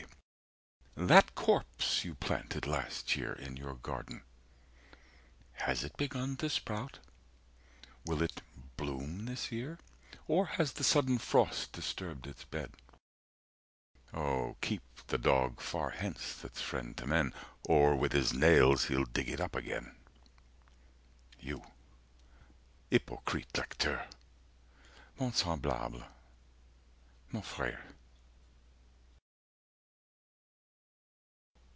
70 That corpse you planted last year in your garden, Has it begun to sprout? Will it bloom this year? Or has the sudden frost disturbed its bed? Oh keep the Dog far hence, that's friend to men, Or with his nails he'll dig it up again! 75 You! hypocrite lecteur!—mon semblable,—mon frère!"